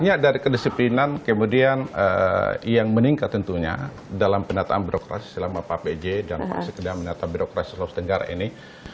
saya dari kedisiplinan kemudian yang meningkat tentunya dalam pendataan birokrasi selama pak pj dan pak sekda mendata birokrasi sulawesi tenggara ini